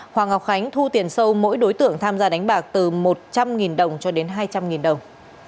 hoàng ngọc khánh thu tiền sâu mỗi đối tượng tham gia đánh bạc từ một trăm linh đồng cho đến hai trăm linh đồng